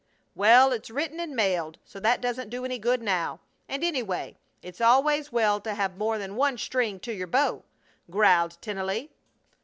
"Well, it's written and mailed, so that doesn't do any good now. And, anyway, it's always well to have more than one string to your bow!" growled Tennelly.